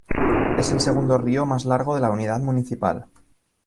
Es el segundo río más largo de la unidad municipal.